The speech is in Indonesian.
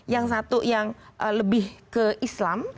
yang satu yang lebih ke islam